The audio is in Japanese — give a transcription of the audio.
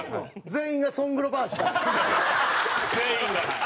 全員が。